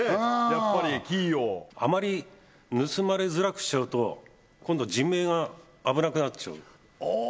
やっぱりキーをあまり盗まれづらくしちゃうと今度人命が危なくなっちゃうああ